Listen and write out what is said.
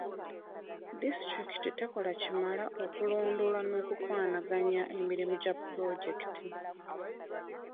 Disitulikiti tekola kimala kulondoola n'okukwanaganya mirimu gya pulojekiti.